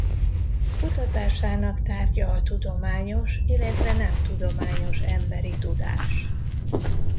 Kutatásának tárgya a tudományos illetve nem tudományos emberi tudás.